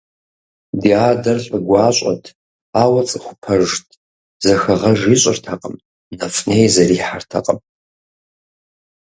Ди адэр лӏы гуащӏэт, ауэ цӏыху пэжт, зэхэгъэж ищӏыртэкъым, нэфӏ-ней зэрихьэртэкъым.